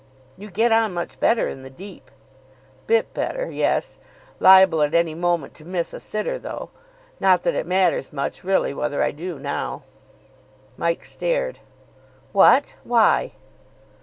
"You get on much better in the deep." "Bit better, yes. Liable at any moment to miss a sitter, though. Not that it matters much really whether I do now." Mike stared. "What! Why?"